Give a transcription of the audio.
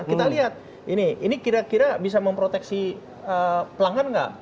kita lihat ini ini kira kira bisa memproteksi pelanggan nggak